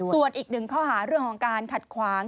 ส่วนอีกหนึ่งข้อหาเรื่องของการขัดขวาง